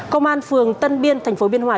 công an phường tân biên thành phố biên hòa